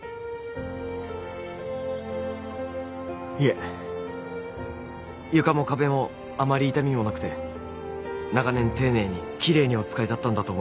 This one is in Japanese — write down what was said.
いえ床も壁もあまり傷みもなくて長年丁寧にきれいにお使いだったんだと思います。